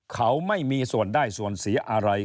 เขาไม่มีส่วนได้ส่วนเสียอะไร